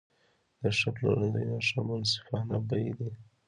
د ښه پلورنځي نښه منصفانه بیې دي.